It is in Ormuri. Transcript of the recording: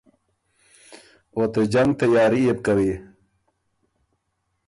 او ته جنګ تیاري يې بو کوی۔